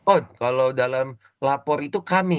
oh kalau dalam lapor itu kami